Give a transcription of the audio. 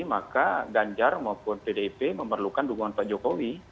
maka ganjar maupun pdip memerlukan dukungan pak jokowi